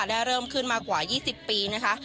เริ่มขึ้นมากว่า๒๐ปีนะคะ